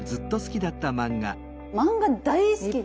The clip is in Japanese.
漫画大好きで！